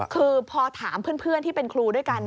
คือพอถามเพื่อนที่เป็นครูด้วยกัน